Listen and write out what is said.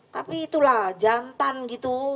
tapi itulah jantan gitu